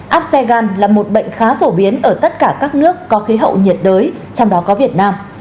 áp xe gan là một bệnh khá phổ biến ở tất cả các nước có khí hậu nhiệt đới trong đó có việt nam